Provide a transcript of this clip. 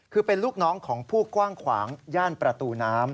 คือเป็นลูกน้องของผู้กว้างขวางย่านประตูน้ำ